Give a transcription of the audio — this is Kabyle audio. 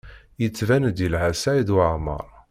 Yettban-d yelha Saɛid Waɛmaṛ.